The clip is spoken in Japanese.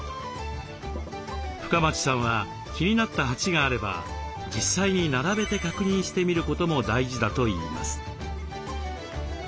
深町さんは気になった鉢があれば実際に並べて確認してみることも大事だといいます。